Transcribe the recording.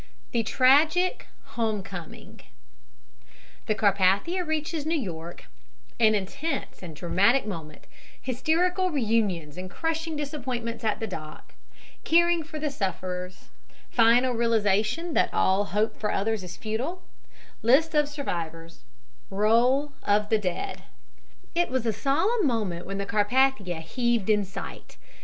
THE TRAGIC HOME COMING THE CARPATHIA REACHES NEW YORK AN INTENSE AND DRAMATIC MOMENT HYSTERICAL REUNIONS AND CRUSHING DISAPPOINTMENTS AT THE DOCK CARING FOR THE SUFFERERS FINAL REALIZATION THAT ALL HOPE FOR OTHERS IS FUTILE LIST OF SURVIVORS ROLL OF THE DEAD IT was a solemn moment when the Carpathia heaved in sight.